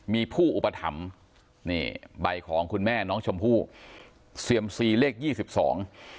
มีผู้อุปถัมภ์นี่ใบของคุณแม่น้องชมพู่เซียมซีเลขยี่สิบสอง